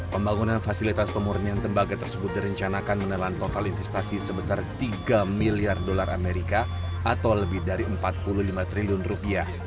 pembangunan fasilitas pemurnian tembaga tersebut direncanakan menelan total investasi sebesar tiga miliar dolar amerika atau lebih dari empat puluh lima triliun rupiah